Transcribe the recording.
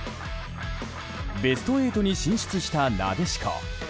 ベスト８に進出した、なでしこ。